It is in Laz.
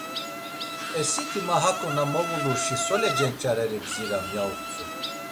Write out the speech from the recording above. E siti ma hako na movulurşi sole cenç̌areri bziram, ya utzu.